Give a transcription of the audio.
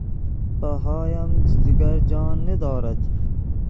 پاهایم دیگر جان ندارد.